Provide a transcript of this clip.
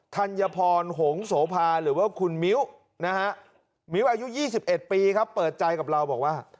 ธัญพรหงโสภาหรือว่าคุณมิ้วนะฮะมิ้วอายุ๒๑ปีครับเปิดใจกับเราบอกว่า